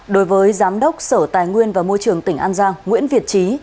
đối với giám đốc sở tài nguyên và môi trường tỉnh an giang nguyễn việt trí